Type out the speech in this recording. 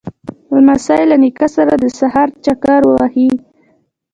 لمسی له نیکه سره د سهار چکر وهي.